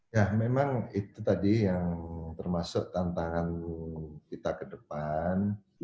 ya memang itu tadi yang termasuk tantangan kita ke depan